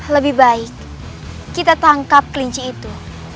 lebih baik kita tangkap kelinci itu